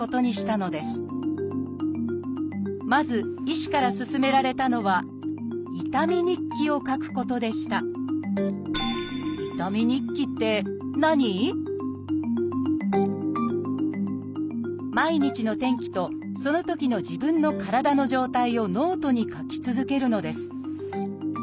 まず医師から勧められたのは「痛み日記」を書くことでした毎日の天気とそのときの自分の体の状態をノートに書き続けるのです。